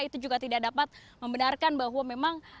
itu juga tidak dapat membenarkan bahwa memang